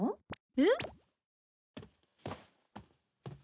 えっ？